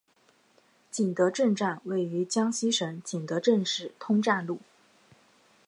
景德镇站位于江西省景德镇市通站路。